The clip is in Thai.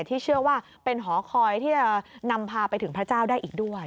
ที่เชื่อว่าเป็นหอคอยที่จะนำพาไปถึงพระเจ้าได้อีกด้วย